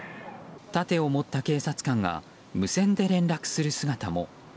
盾を持った警察官が無線で連絡する姿も。